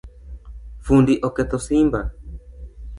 Fundi oketho simba